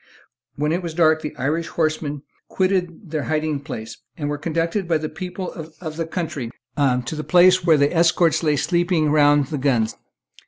When it was dark the Irish horsemen quitted their hiding place, and were conducted by the people of the country to the place where the escort lay sleeping round the guns.